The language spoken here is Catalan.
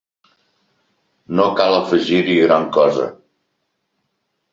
No cal afegir-hi gran cosa.